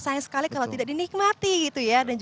sayang sekali kalau tidak dinikmati gitu ya